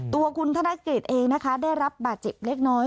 ตัวคุณธนกฤษเองนะคะได้รับบาดเจ็บเล็กน้อย